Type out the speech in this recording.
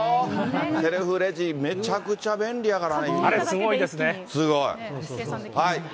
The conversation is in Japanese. セルフレジ、めちゃくちゃ便利やから。